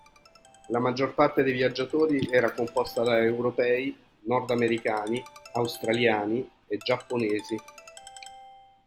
La maggior parte dei viaggiatori era composta da europei, nord americani, australiani e giapponesi.